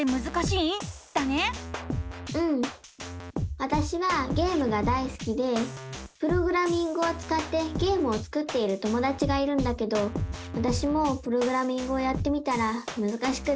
わたしはゲームがだいすきでプログラミングをつかってゲームを作っている友だちがいるんだけどわたしもプログラミングをやってみたらむずかしくて。